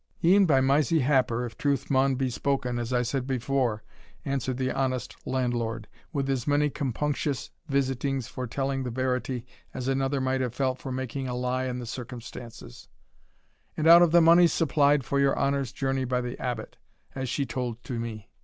"E'en by Mysie Happer, if truth maun be spoken, as I said before," answered the honest landlord, with as many compunctious visitings for telling the verity as another might have felt for making a lie in the circumstances "And out of the moneys supplied for your honour's journey by the Abbot, as she tauld to me.